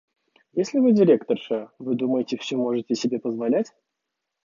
Если Вы директорша, Вы думаете, все можете себе позволять?